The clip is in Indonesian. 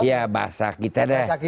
ya bahasa kita deh